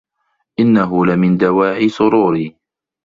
إنه لمن دواعي سروري.